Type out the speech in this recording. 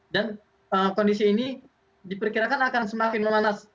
dan kondisi ini diperkirakan akan semakin memanas